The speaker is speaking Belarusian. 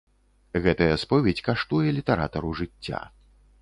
Гэтая споведзь каштуе літаратару жыцця.